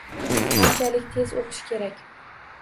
Qanchalik tez oʻqish kerak